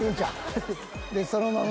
でそのまま。